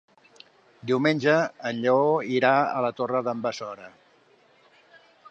Diumenge en Lleó irà a la Torre d'en Besora.